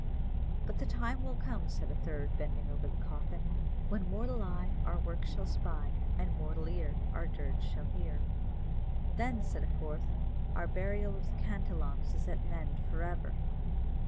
"But the time will come," said a third, bending over the coffin, "When mortal eye our work shall spy, And mortal ear our dirge shall hear." "Then," said a fourth, "our burial of the Cantillons is at an end for ever!"